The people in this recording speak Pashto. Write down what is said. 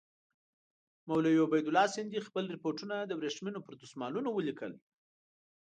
مولوي عبیدالله سندي خپل رپوټونه د ورېښمو پر دسمالونو ولیکل.